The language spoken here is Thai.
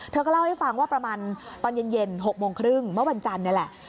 เธอก็เล่าให้ฟังว่าประมาณตอนเย็น๖โมงครึ่งเมื่อวันจันทร์นี่แหละ